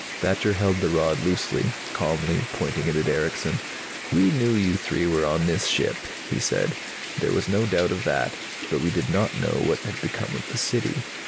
Thacher held the rod loosely, calmly, pointing it at Erickson. "We knew you three were on this ship," he said. "There was no doubt of that. But we did not know what had become of the City.